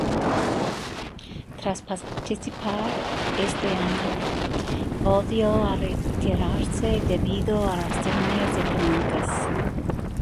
Tras participar este año, volvió a retirarse debido a razones económicas.